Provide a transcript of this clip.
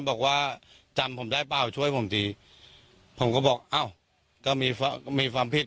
บอกว่าจำผมได้เปล่าช่วยผมทีผมก็บอกอ้าวก็มีมีความผิด